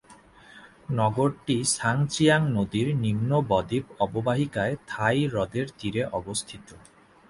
নগরীটি Chang Jiang নদীর নিম্ন ব-দ্বীপ অববাহিকায়, থাই হ্রদের তীরে অবস্থিত।